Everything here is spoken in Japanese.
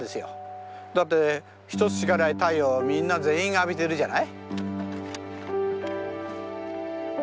だって一つしかない太陽みんな全員が浴びてるじゃない。